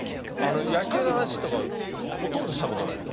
野球の話とかほとんどした事ないです。